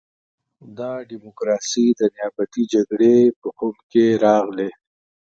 دا ډیموکراسي د نیابتي جګړې په خُم کې راغلې.